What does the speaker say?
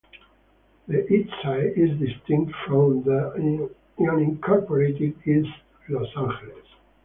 The Eastside is distinct from the unincorporated East Los Angeles.